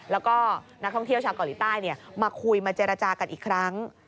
แล้วก็นักท่องเที่ยวชาวเกาหลีใต้มาคุยมาเจรจากันอีกครั้ง